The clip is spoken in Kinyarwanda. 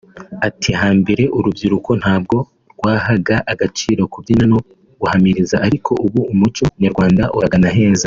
Ati “ Hambere urubyiruko ntabwo rwahaga agaciro kubyina no guhamiriza ariko ubu umuco nyarwanda uragana aheza